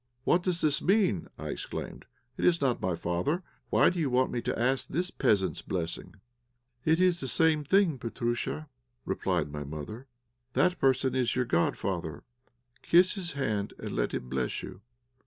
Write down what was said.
"What does this mean?" I exclaimed. "It is not my father. Why do you want me to ask this peasant's blessing?" "It is the same thing, Petróusha," replied my mother. "That person is your godfather. Kiss his hand, and let him bless you."